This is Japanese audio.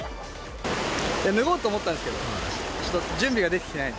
脱ごうと思ったんですけど、ちょっと準備ができてない。